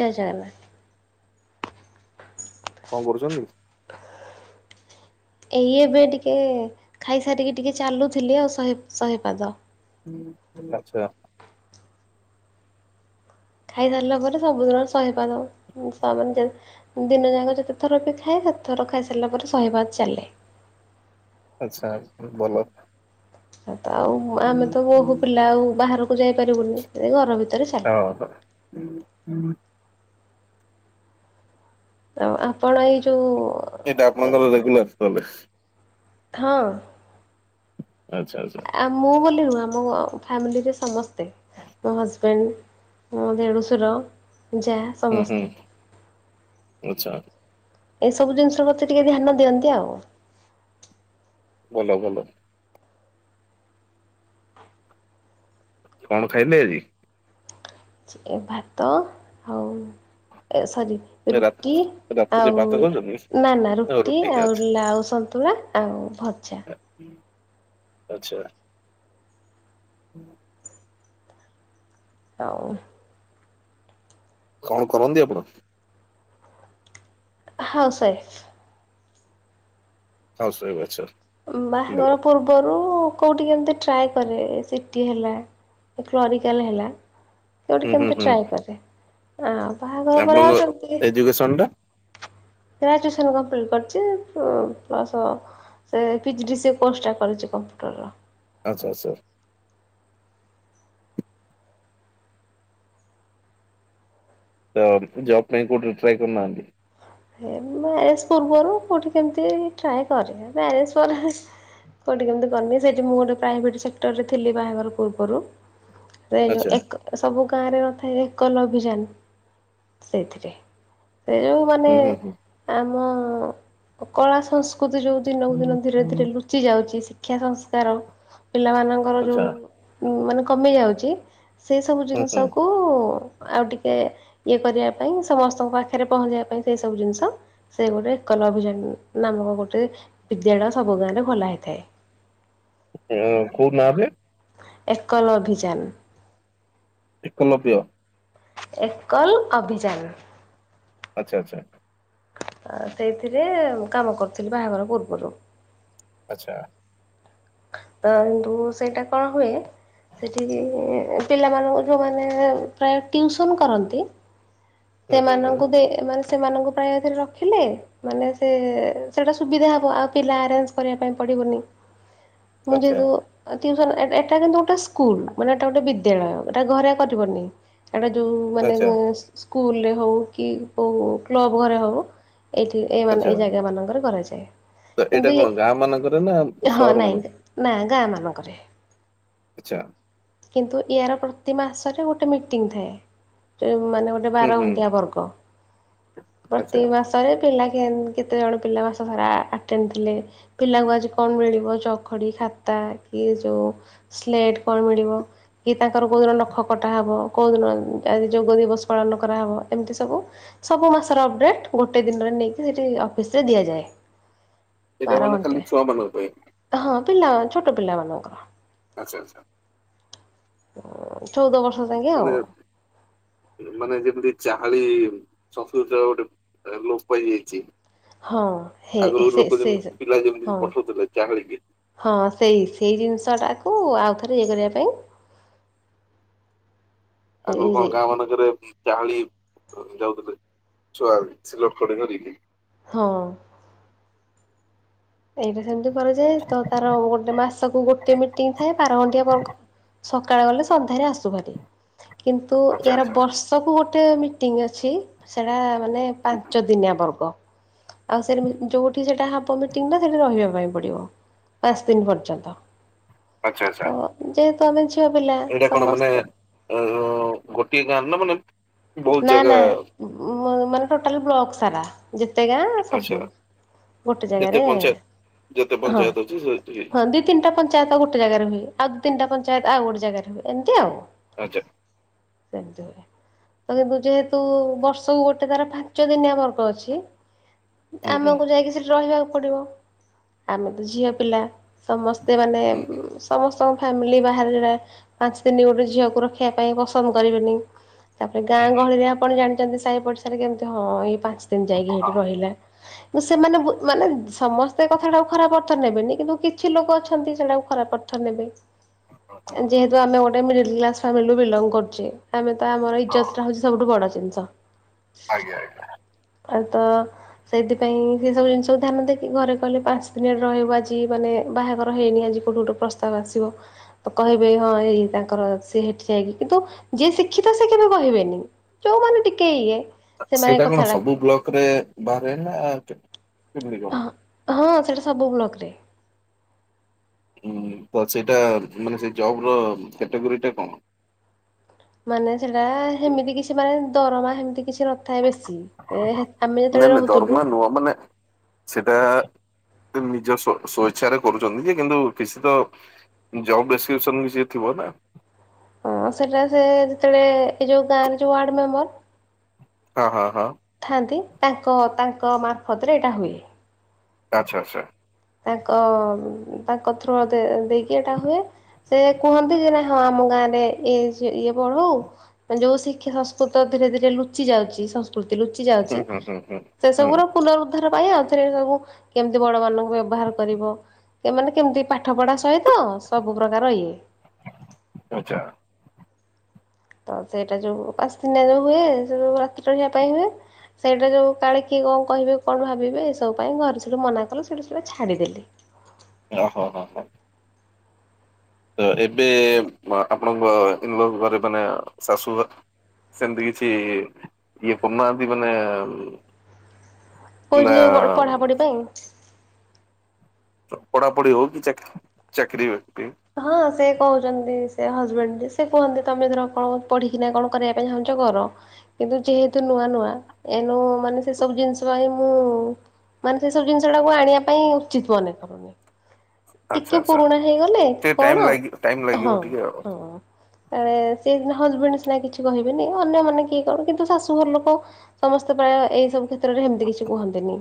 ଜୟ ଜଗନ୍ନାଥ କଣ କରୁଛନ୍ତି? ଏଇ ଏବେ ଟିକେ ଖାଇସାରିକି ଟିକେ ଚାଲୁଥିଲି ଆଉ ଶହେ ଶହେ ପାଦ। ହେଲା ଆଚ୍ଛା ଖାଇସାରିଲା ପରେ ସବୁଦିନ ଶହେ ପାଦ, ତାମାନେ ଦିନ ଯାକ ଯେତେଥର ବି ଖାଏ, ସେତେଥର ଖାଇସାରିଲା ପରେ ଶହେପାଦ ଚାଲେ। ଆଚ୍ଛା, ପୁଣି [inaudible] ବଲ ତ ଆଉ ଆମେ ତ ବୋହୁ ପିଲା ଆଉ ବାହାରକୁ ଯାଇପାରିବୁନି, ସେ ଘର ଭିତରେ ଚାଲେ। ହୁଁ ହୁଁ ଆଉ ଆପଣ ଏଇ ଯୋଉ ଏଇଟା ଆପଣଙ୍କ ରେଗୁାଲାର ପ୍ରୋ ହଁ ଆଛା ଆଛା ଆଉ ମୁଁ ବୋଲି ନୁହଁ ଆମ ଫ୍ୟାମିଲିରେ ସମସ୍ତେ। ମୋ ହଜବେଣ୍ଡ, ମୋ ଦେଢ଼ୁଶୁର, ଜାଆ ହୁଁ ହୁଁ ଆଛା ଏସବୁ ଜିନିଷ ପ୍ରତି ଟିକେ ଧ୍ୟାନ ଦିଅନ୍ତି ଆଉ। ଭଲ ଭଲ। କଣ ଖାଇଲେ ଆଜି? ଚି ଭାତ ଆଉ ଏ ସରି। ରା ରୁଟି ରାତିରେ ଆଉ ଭାତ ଖାଉଛନ୍ତି? ନା ନା ଆଉ ରୁଟି ଆଉ ଆଚ୍ଛା ଲାଉ ସନ୍ତୁଳା ଆଉ ଭଜା। ଆଚ୍ଛା ଆଉ କଣ କରନ୍ତି ଆପଣ? House wife. ହଉସ ୱାଇଫ ଅଛ? ବାହାଘର ପୂର୍ବରୁ କୋଉଠି କେମିତି ଟ୍ରାଏ କରେ, ସିଟି ହେଲା। କ୍ଲରିକାଲ ହେଲା। କୋଉଠି ହୁଁ ହୁଁ କେମତି ହୁଁ ଟ୍ରାଏ କରେ, ଆ ବାହାଘର ପରେ ଆପଣଙ୍କ ଆଉକେମିତିକି ଏଜୁକେସନ ଟା ଗ୍ରାଜୁଏସନ କମ୍ପ୍ଲିଟ କରିଛି, ପ୍ଲସ ସେ P G D C A କୋର୍ସଟା କରିଛି କମ୍ପ୍ୟୁଟର ର। ଆଚ୍ଛା ଆଚ୍ଛା ତ ଜବ୍ ପାଇଁଁ କଉଠି ଟ୍ରାଏ କରୁନାହାନ୍ତି? ହେ ମ୍ୟାରେଜ୍ ପୂର୍ବରୁ କୋଉଁଠି କେମିତି ଟ୍ରାଏ କରେ। ମ୍ୟାରେଜ୍ ପରେ କୋଉଠି କେମିତି କରିନି, ସେଠି ମୁଁ ଗୋଟେ ପ୍ରାଇଭେଟ୍ ସେକ୍ଟର ରେ ଥିଲି ବାହାଘର ପୂର୍ବରୁ। ଭ ଯେ ଆଚ୍ଛା ଏକ ସବୁ ଗାଁ ରେ ନଥାଏ ଏକଲ ଅଭିଯାନ ସେଇଥିରେ। ସେ ଯୋଉ ମାନେ ହୁଁ ହୁଁ ହୁଁ ଆମ କଳା ସଂସ୍କୃତି ଯୋଉ ଦିନକୁ ଦିନ ଧୀରେ ଧୀରେ ଲୁ ଲୁ ଚି ଯାଉଛି ଶିକ୍ଷା ସଂସ୍କାର ପିଲାମାନଙ୍କର ଆଚ୍ଛା ଯୋଉ ଉଁ ମାନେ କମି ଯାଉଛି। ସେଇ ସବୁ ହୁଁ ଜିନ୍ସ ହୁଁ କୁ ଆଉ ଟିକେ ଇଏ କରିବା ପାଇଁ, ସମସ୍ତଙ୍କ ପାଖରେ ପହଞ୍ଚିବା ପାଇଁ ସେଇ ସବୁ ଜିନ୍ସ ସେ ଗୋଟେ ଏକଲା ଅଭିଯାନ ନାମକ ଗୋଟେ ବିଦ୍ୟାଳୟ ସବୁ ଗାଁ ରେ ଖୋଲା ହେଇଥାଏ। ଅ କୋଉ ନାଁ ରେ? ଏକଲ ଅଭିଯାନ। ଏକଲବ୍ୟ? ଏକଲ ଅଭିଯାନ। ଆଚ୍ଛା ଆଚ୍ଛା। ସେଇଥିରେ କାମ କରୁଥିଲି ବାହାଘର ପୂର୍ବରୁ। ଆଚ୍ଛା। ତ ରୁ ସେଇଟା କଣ ହୁଏ ସେଠି ପିଲାମାନଙ୍କୁ ଯେଉଁମାନେ ପ୍ରାୟ ଟିଉସନ୍ କରନ୍ତି ହୁଁ ହୁଁ ହୁଁ ସେମାନଙ୍କୁ ମାନେ ସେମାନଙ୍କୁ ପ୍ରାୟଥିରେ ରଖିଲେ ମାନେ ସେ ସେଟା ସୁବିଧା ହବ। ଆଉ ପିଲା ଆରେଞ୍ଜ କରିବା ପାଇଁ ପଡିବନି। ମୁ ଆଚ୍ଛା ଯେହେତୁ ସନ୍ ଏଟା କିନ୍ତୁ ଗୋଟେ ସ୍କୁଲ୍। ମାନେ ଏଟା ଗୋଟେ ବିଦ୍ୟାଳୟ ଏଟା ଘରେ କରିିବନି। ସେଟା ଯୋଉ ମାନେ ଆଚ୍ଛା ସ୍କୁଲ୍ ରେ ହଉ କି କ୍ଲବ୍ ଘରେ ହଉ ଏଇଠି ଏଇ ମାନେ ଆଚ୍ଛା। ଏଇ ଜାଗା ମାନଙ୍କରେ କରାଯାଏ। ତ ଏଇଟା କିନ୍ତୁ କଣ ଗାଁ ମାନଙ୍କରେ ନା ହଁ ସହର ନାଇଁ ମାନଙ୍କ? ନା ଗାଁ ମାନଙ୍କରେ। ଆଚ୍ଛା। କିନ୍ତୁ ଇୟାର ପ୍ରତି ମାସରେ ଗୋଟେ ମିଟିଂ ଥାଏ। ମାନେ ଗୋଟେ ହୁଁ ବାର ହୁଁ ଘଣ୍ଟଆ ବର୍ଗ। ଆଚ୍ଛା। ପ୍ରତି ମାସ ରେ ପିଲା କେ କେତେଜଣ ପିଲା ମାସ ସାରା ଆଟେଣ୍ଡ ଥିଲେ ପିଲାଙ୍କୁ ଆଜି କଣ ମିଳିବ, ଚଖଡି, ଖାତା କି ଯୋଉ ସ୍ଲେଟ କଣ, ମିଳିବ କି ତାଙ୍କର କୋଉ ଦିନ ନଖ କଟାହବ, କଉ ଦିନ ଆଜି ଯୋଗ ଦିବସ ପାଳନ କରାହେବ, ଏମିତି ସବୁ। ସବୁ ମାସ ଅପ୍ ଡେଟ୍ ଗୋଟେ ଦିନରେ ନେଇକି ସେଠି ଅଫିସ୍ ରେ ଦିଆଯାଏ। ସେଇଟା ବାର ମାନେ ଘଣ୍ଟିଆ। ଖାଲି ଛୁଆମାନଙ୍କ ପାଇଁ? ହଁ ପିଲା ଛୋଟ ପିଲା ମାନଙ୍କର। ଆଚ୍ଛା। ଚଉଦ ବର୍ଷ ଯାଙ୍କେ ଆଉ। ମାନେ ମାନେ ଯେମିତି ଚାହାଳି ସଂସ୍କୃତ ଗୋଟେ ଲୋପ୍ ପାଇଯାଇଛି। ହଁ ହେ ଆଗରୁ ସେ ଲୋକ ସେଇ ଯେମିତି ପିଲା ଯେମିତି ହଁ ପଠଉଥିଲେ ଚାହାଳି କି। ହଁ ସେଇ ସେଇ ଜିନିଷ ଟାକୁ ଆଉ ଥରେ ଇଏ କରିବା ପାଇଁ ଆଗରୁ ଏଇ କଣ ଗାଁ ମାନଙ୍କରେ ଚାହାଳି ଯାଉଥିଲେ। ଛୁଆ ସିଲଟ ଖଡ଼ି ଧରିକି। ହଁ। ଏଇଟା ସେମିତି କରାଯାଏ। ତ ତାର ଗୋଟେ ମାସକୁ ଗୋଟେ ମିଟିଂ ଥାଏ ବାରଘଣ୍ଟିଆ ବର୍ଗ ସକାଳେ ଗଲେ ସନ୍ଧ୍ୟାରେ ଆସୁ ହାରି। କିନ୍ତୁ ଆଚ୍ଛା ଏହାର ଆଚ୍ଛା ବର୍ଷ ସବୁ ଗୋଟେ ମିଟିଂ ଅଛି ସେଟା ମାନେ ପାଞ୍ଚ ଦିନିଆ ବର୍ଗ ଆଉ ସେ ଯୋଉଠି ସେଟା ହବ ମିଟିଂ ଟା ସେଠି ରହିବା ପାଇଁ ପଡିବ। ପାଞ୍ଚ ଦିନ ପର୍ଯ୍ୟନ୍ତ। ଆଚ୍ଛା ତ ଆଚ୍ଛା। ଯେହେତୁ ଆମେ ଝିଅ ପିଲା ଏଇଟା କଣ ମାନେ ସମସ୍ତେ ଅ ଗୋଟିଏ ଗାଁରେ ନା ମାନେ ବହୁତ ନା ଜାଗା ନା ମାନେ ଟୋଟାଲ ବ୍ଲକ୍ ସାରା ଯେତେ ଗାଁ ଆଚ୍ଛା ସବୁ। ଗୋଟେ ଯେତେ ଜାଗାରେ ପଞ୍ଚାୟତ ଯେତେ ହଁ ପଞ୍ଚାୟତ ଅଛି ସେଠି ହଁ ଦି ତିନଟା ପଞ୍ଚାୟତ ଗୋଟେ ଜାଗାରେ ହୁଏ, ଆଉ ଦି ତିନିଟା ପଞ୍ଚାୟତ ଆଉ ଗୋଟେ ଜାଗାରେ ହୁଏ ଏମତି ଆଉ। ଆଚ୍ଛା। [unintelligible] ତ କିନ୍ତୁ ଯେହେତୁ ବର୍ଷକୁ ଗୋଟେ ତାର ପାଞ୍ଚ ଦିନିଆ ବର୍ଗ ଅଛି। ହୁଁ ହୁଁ। ଆମକୁ ଯାଇକି ସେଠି ରହିବାକୁ ପଡିବ ଆମେ ତ ଝିଅ ପିଲା ସମସ୍ତେ ମାନେ ହୁଁ ସମସ୍ତଙ୍କ ଫ୍ୟାମିଲି ବାହାରେ ପାଞ୍ଚ ଦିନି ଗୋଟେ ଝିଅକୁ ରଖିବା ପାଇଁ ପସନ୍ଦ କରିବେନି। ତାପରେ ଗାଁ ହୁଁ ଗହଳିରେ ଆପଣ ଜାଣିଛନ୍ତି ସାହି ପଡିଶାରେ କେମିତି ହଁ ଏଇ ପାଞ୍ଚ ଦିନ ଯାଇକି ହେଇଟି ରହିଲା। କିନ୍ତୁ ସେମାନେ ମାନେ ସମସ୍ତେ କଥାଟାକୁ ଖରାପ ଅର୍ଥ ନେବେନି କିନ୍ତୁ କିଛି ଲୋକ ଅଛନ୍ତି ସେଟାକୁ ଖରାପ ଅର୍ଥ ନେବେ, ଯେହେତୁ ଆମେ ଗୋଟେ ମିଡିଲ କ୍ଲାସ ଫ୍ୟାମିଲୀରୁ ବିଲଙ୍ଗ କରୁଛେ ଆମେ ତ ଆମର ଇଜତଟା ହଉଛି ସବୁଠୁ ବଡ ଜିନିଷ। ଆଜ୍ଞା ଆଜ୍ଞା। ଆଉ ତ ସେଇଥିପାଇଁ ସେସବୁ ଜିନିଷକୁ ଧ୍ୟାନ ଦେଇକି ଘରେ କହିଲେ ପାଞ୍ଚ ଦିନୀ ରହିବୁ ଆଜି ମାନେ ବାହାଘର ହେଇନି ଆଜି। କୋଉଟୁ ଗୋଟେ ପ୍ରସ୍ତାବ ଆସିବ। କହିବେ ହଁ ଏଇ ତାଙ୍କର ସେ ହେଠି ଯାଇକି କିନ୍ତୁ ଯିଏ ଶିକ୍ଷିତ ସେ କେବେ କହିବେ ନି ଜୋଉ ମାନେ ଟିକେ ଇଏ ସେମାନେ ସେଇଟା କଣ କଥାଟା ସବୁ ବ୍ଲକରେ ବାହାରେ ନା କଣ? ହଁ ହଁ ସେଇଟା ସବୁ ବ୍ଲକ ରେ। ଉଁ ତ ସେଇଟା ମାନେ ସେଇ ଜବ ର କ୍ୟାଟୋଗୋରି ଟା କଣ? ମାନେ ସେଟା ହେମିତି କିଛି ମାନେ ଦରମା ହେମିତି କିଛି ନଥାଏ ବେଶୀ। ଏ ହେ ଆମେ ଯେତେବେଳେ ରହୁଥିଲୁ। ହ ମାନେ ସେଟା ନିଜ ସ ସ୍ଵଇଚ୍ଛାରେ କରୁଛନ୍ତି ଯେ କିନ୍ତୁ କିଛି ତ ଜବ୍ ବେଶ୍କ୍ରିପସନ ବି ଯିଏ ଥିବ ନା? ହଁ ସେଟା ସେ ଯେତେବେଳେ ଏଇ ଯୋଉ ଗାଁରେ ଯୋଉ ୱାର୍ଡ ମେମ୍ବର ହଁ ହଁ ହଁ। ଥାଆନ୍ତି, ତାଙ୍କ ତାଙ୍କ ମାର୍ଫତରେ ଏଇଟା ହୁଏ। ଆଚ୍ଛା ଆଚ୍ଛା। ତାଙ୍କ ତାଙ୍କ ଥ୍ରୋ ଦେଇକି ଏଇଟା ହୁଏ। ସେ କୁହନ୍ତି ଯେ ନା ହଁ ଆମ ଗାଁ ରେ ଇଏ ପଢ଼ୁ। ଯୋଉ ଶିକ୍ଷା ସଂସ୍କୃତ ଧୀରେ ଧୀରେ ଲୁଚି ଯାଉଛି ସ କୃତି ଲୁଚି ହୁଁ ଯାଉଛି ହୁଁ ହୁଁ ହୁଁ ସେ ସବୁ ହୁଁ ର ପୁନରୁଦ୍ଧାର ପାଇଁ ଆଉ ଥରେ ସବୁ କେମିତି ବଡ ମାନଙ୍କୁ ବ୍ୟବହାର କରିବ ମାନେ କେମିତି ପାଠ ପଢା ସହିତ ସବୁ ପ୍ରକାର ଇଏ ଆଛା। ତ ସେଇଟା ଯୋଉ ଆସି ଦିନି ଯୋଉ ହୁଏ ସେଉ ରାତି ରହିବା ପାଇଁ ହୁଏ। ସେଇଟା ଯୋଉ କାଳେ କିଏ କଣ କହିବେ କଣ ଭାବିବେ ଏ ସବୁ ପାଇଁ ଘରେ ସେଠୁ ମନା କଲେ ସେଠା ସେଟା ଛାଡିଦେଲି। ଓହୋ ହୋ। ହୋ ତ ଏବେ ଆପଣଙ୍କ ଇଲ ଘରେ ମାନେ ଶାଶୁ ଘ ସେମିତି କିଛି ଇଏ କରୁନାହାନ୍ତି ମାନେ କୋଉଠି ନା ଯୋଉ ପଢାପଢି ପାଇଁ। ପଢାପଢି ହଉ କି ଚାକିରୀ ବାକିରି ହଁ ସେ କହୁଛନ୍ତି ସେ ହଜବେଣ୍ଡ ସେ କୁହନ୍ତି ତମେ ଧର କଣ ପଢିକିନା କଣ କରିବା ପାଇଁ ଚାହୁଁଛ କର। କିନ୍ତୁ ଯେହେତୁ ନୂଆ ନୂଆ ଏନୁ ମାନେ ସେ ସବୁ ଜିନିଷ ପାଇଁ ମୁଁ ମାନେ ସେ ସବୁ ଜିନିଷ ଟାକୁ ଆଣିବା ପାଇଁ ଉଚିତ ମନେ କରୁନି। ଆଚ୍ଛା ଟିକେ ଆଚ୍ଛା ପୁରୁଣା ହେଇଗଲେ ଟିକେ ଟାଇମ କଣ ଲାଗି ଟାଇମ ଲାଗିବ ହଁ ଟିକେ ଆଉ। ହଁ। ଅ ସିଏ ସିନା ହଜବେଣ୍ଡ ସିନା କିଛି କହିବେନି ଅନ୍ୟମାନେ କିଏ କଣ କିନ୍ତୁ ଶାଶୁ ଘର ଲୋକ ସମସ୍ତେ ପ୍ରାୟ ଏଇ ସବୁ କ୍ଷେତ୍ରରେ ସେମିତି କିଛି କୁହନ୍ତିନି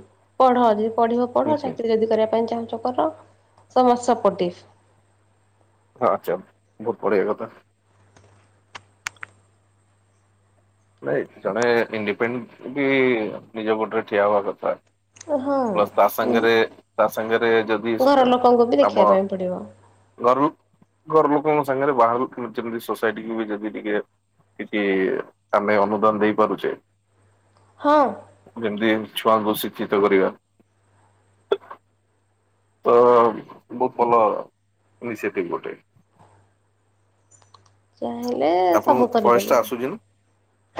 ପଢ଼ ଯଦି ପଢ଼ିବ। ହୁଁ ପଢ଼ ହୁଁ ଚାକିରି ଯଦି କରିବା ପାଇଁ ଚାହୁଁଛ କର ସମସ୍ତେ ସପୋଟିବ୍। ହଁ‌ [unintelligible] ବହୁତ୍ ବଢ଼ିଆ କଥା। ନାଇଁ ଜଣେ ଇଣ୍ଡିପେଣ୍ଡେଣ୍ଟ୍ ବି ନିଜ ଗୋଡ଼ରେ ଠିଆ ହବା କଥା। ପ୍ଲସ୍ ତା ହଁ। ସାଙ୍ଗରେ ତା ସାଙ୍ଗରେ ଯ ଘର ଲୋକଙ୍କୁ ବି ଦେଖିବା ପାଇଁ ପଡ଼ିବ। ଘର ଘର ଲୋକଙ୍କ ସାଙ୍ଗରେ ବାହାର କୁ ସୋସାଇଟି ବି ଯଦି ଟିକେ କିଛି ଆମେ ଅନୁଦାନ ଦେଇପାରୁଚେ। ହଁ। ଯେମିତି ଛୁଆଙ୍କୁ ଶିକ୍ଷିତ କରିବା। ତ ବହୁତ୍ ଭଲ [unintelligible] ଗୋଟେ। ଚାହିଁଲେ ସବୁ ଆପଣଙ୍କୁ ଭଏସ ଟା କରିପାରିବ ଆସୁଛି ନା?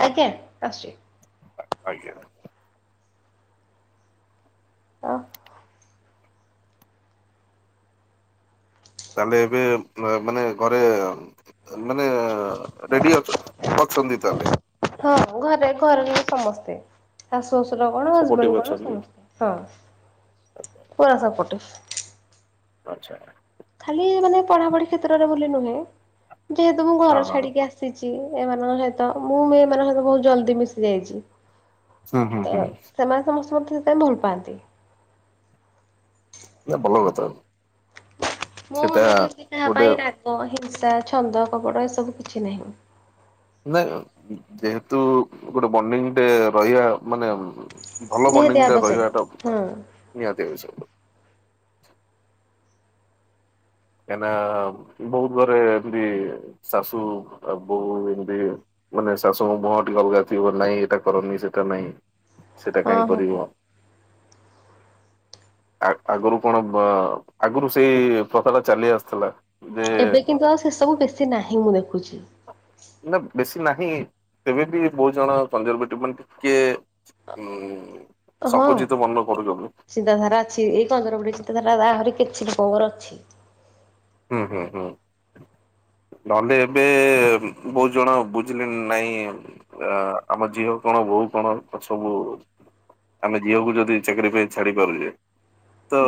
ଆଜ୍ଞା ଆସୁଚି। ଆଜ୍ଞା। ଆ ତାହେଲେ ଏବେ ମାନେ ଘରେ ମାନେ ରେଡ଼ି ଅଛ ଅଛନ୍ତି ତାହେଲେ। ହଁ ଘରେ ଘର ର ସମସ୍ତେ ଶାଶୁ ଶଶୁର କଣ ସପୋର୍ଟିଭ ହଜବେଣ୍ଡ୍ କଣ ଅଛନ୍ତି। ସମସ୍ତେ। ହଁ ପୁରା ସପୋଟିଭ୍। ଆଚ୍ଛା। ଖାଲି ମାନେ ପଢ଼ାପଢ଼ି କ୍ଷେତ୍ରରେ ବୋଲି ନୁହେଁ ଯେହେତୁ ମୁଁ ହଁ ଘର ହଁ ଛାଡ଼ିକି ଆ ମିଶିଚି ଏମାନଙ୍କ ସହିତ ମୁଁ ବି ଏମାନଙ୍କ ସହିତ ବହୁତ୍ ଜଲଦି ମିଶି ଯାଇଛି। ହୁଁ ହୁଁ ତ ହୁଁ ସେମାନେ ସମସ୍ତେ ମତେ ସେଥିପାଇଁ ଭଲ ପାଆନ୍ତି। ନାଁ ଭଲ କଥା। ମୋ ମନ ସେଟା ଭିତରେ କିଛି କାହା ଗୋଟେ ପାଇଁ ରାଗ, ହିଂସା, ଛନ୍ଦ, କପଟ ଏସବୁ କିଛି ନାହିଁ। ନାଇଁ ଯେହେତୁ ଗୋଟେ ବଣ୍ଡିଙ୍ଗ୍ ଟେ ରହିବା ମାନେ ଭଲ ନିହାତି ବଣ୍ଡିଙ୍ଗ୍ ଟା ଆବଶ୍ୟକ ରହିବାଟା ହଁ। ନିହାତି ଆବଶ୍ୟକ। କାହିଁନା ବହୁତ୍ ଘରେ ଏମିତି ଶାଶୁ ବୋଉ ଏମିତି ମାନେ ଶାଶୁ ଙ୍କ ମୁହଁ ଟିକେ ଅଲଗା ଥିବ ନାଇଁ ଏଟା କରନି ସେଟା ନାଇଁ ସେଇଟା ହଁ କାଇଁ ହଁ କରିବ। ଆ ଆଗରୁ କଣ ଅ ଆଗରୁ ସେଇ ପ୍ରଥାଟା ଚାଲି ଆସୁଥିଲା। ଯେ ଏବେ କିନ୍ତୁ ଆଉ ସେ ସବୁ ବେଶୀ ନାହିଁ ମୁଁ ଦେଖୁଛି। ନା ବେଶୀ ନାହିଁ ତେବେ ବି ବହୁତ୍ ଜଣ [unintelligible] ମାନେ ଟିକେ ହୁଁ ହଁ ସଙ୍କୁଚିତ ମନେ କରୁଛନ୍ତି। ଚିନ୍ତାଧାରା ଅଛି ଏଇ କନ୍ଦରପଡି଼ ଚିନ୍ତାଧାରା ଆହୁରି କିଛି ଲୋକଙ୍କର ଅଛି। ହୁଁ ହୁଁ ହୁଁ। ନହେଲେ ଏବେ ବହୁତ୍ ଜଣ ବୁଝିଲେ ନାଇଁ ଆ ଆମ ଝିଅ କଣ ବୋଉ କଣ ସବୁ ଆମେ ଝିଅକୁ ଯଦି ଚାକିରି ପାଇଁ ଛାଡ଼ି ପାରିଲେ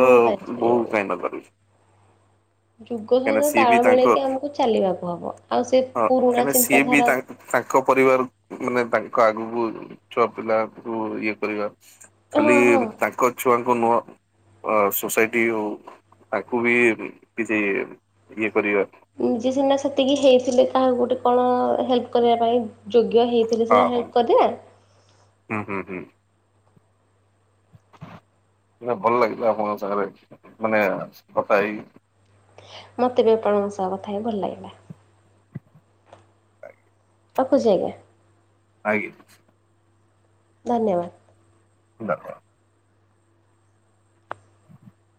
ବୋହୂ ଙ୍କୁ କାଇଁ ଛାଡି଼ବନି। [unintelligible] ଯୁଗ କାହିଁକିନା ସହିତ ସିଏ ବି ତାଳ ତାଙ୍କ ମିଳେଇକି ଆମକୁ ଚାଲିବାକୁ ହବ ଆଉ ସେ ହଁ ପୁରୁଣା କାହିଁକିନା ସିଏ ବି ଚିନ୍ତାଧାରା ତାଙ୍କ ତାଙ୍କ ପରିବାର ମାନେ ତାଙ୍କ ଆଗକୁ ଛୁଆ ପିଲାକୁ ଇଏ କରିବା। ହଁ ଖାଲି ହଁ ତାଙ୍କ ଛୁଆଙ୍କୁ ନୁହଁ। ଅ ସୋସାଇଟି ହଉ ତାଙ୍କୁ ବି କିଛି ଇଏ କରିବା। ନିଜେ ସିନା ସେତିକି ହେଇଥିଲେ କାହାକୁ ଗୋଟେ କଣ ହେଲ୍ପ କରିବା ପାଇଁ। ଯୋଗ୍ୟ ହେଇଥିଲେ ହଁ ସିନା ହଁ ହେଲ୍ପ କରିବା। ହୁଁ ହୁଁ ହୁଁ। ନାଁ ଭଲ ଲାଗିଲା ଆପଣଙ୍କ ସାଙ୍ଗରେ ମାନେ କଥା ହେଇକି। ମତେ ବି ଆପଣଙ୍କ ସହ କଥା ହେଇି ଭଲ ଲାଗିଲା। ରଖୁଛି ଆଜ୍ଞା। ଆଜ୍ଞା। ଧନ୍ୟବାଦ। [unintelligible]